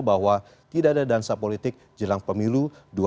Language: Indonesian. bahwa tidak ada dansa politik jelang pemilu dua ribu dua puluh